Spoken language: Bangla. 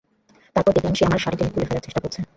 তারপর দেখলাম, সে আমার শাড়ি টেনে খুলে ফেলার চেষ্টা করছে।